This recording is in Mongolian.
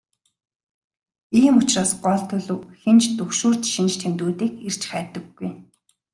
Ийм учраас гол төлөв хэн ч түгшүүрт шинж тэмдгүүдийг эрж хайдаггүй.